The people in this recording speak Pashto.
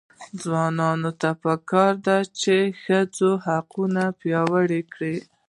ځوانانو ته پکار ده چې، ښځو حقونه وپیاوړي کړي.